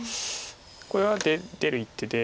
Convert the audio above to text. これは出る一手で。